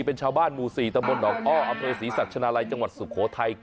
เป็นชาวบ้านหมู่สี่ตะมนต์ออกอ้ออำเภศรีสัตว์ชนาลัยจังหวัดสุโขทัย